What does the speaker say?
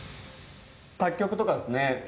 作曲とかですね。